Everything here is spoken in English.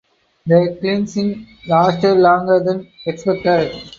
The "cleansing" lasted longer than expected.